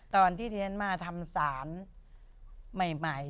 ตอนที่ที่ท่านมาทำสารใหม่